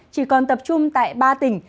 chỉ còn tập trung tại ba tỉnh